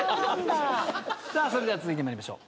それでは続いて参りましょう。